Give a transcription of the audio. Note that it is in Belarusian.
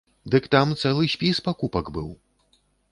Дык там цэлы спіс пакупак быў!